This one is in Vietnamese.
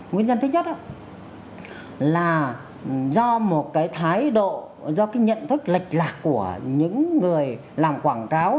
nguyên nhân thứ nhất là do một cái thái độ do cái nhận thức lệch lạc của những người làm quảng cáo